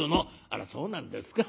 「あらそうなんですか。